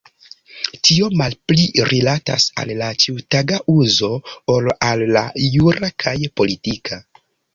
Tio malpli rilatas al la ĉiutaga uzo ol al la jura kaj politika.